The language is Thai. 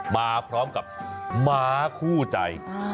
มาพร้อมกับม้าคู่ใจ